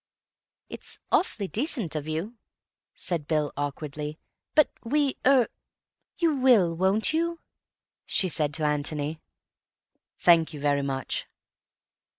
"It's awfully decent of you," said Bill awkwardly, "but we—er—" "You will, won't you?" she said to Antony. "Thank you very much."